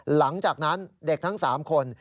หลังจากนั้นเด็กทั้ง๓คน